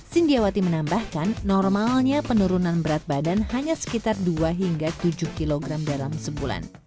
sindiawati menambahkan normalnya penurunan berat badan hanya sekitar dua hingga tujuh kg dalam sebulan